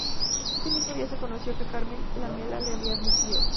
Ese mismo día, se conoció que Carmen Lamela la había admitido.